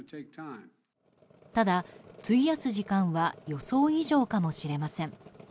ただ、費やす時間は予想以上かもしれません。